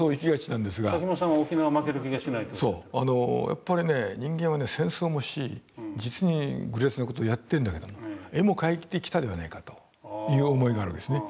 やっぱりね人間は戦争もし実に愚劣な事をやってんだけども絵も描いてきたではないかという思いがあるわけですね。